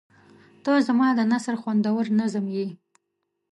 • ته زما د نثر خوندور نظم یې.